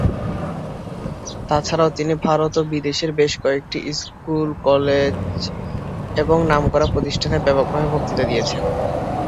এছাড়াও তিনি ভারত ও বিদেশের বেশ কয়েকটি স্কুল, কলেজ এবং নামকরা প্রতিষ্ঠানে ব্যাপকভাবে বক্তৃতা দিয়েছেন।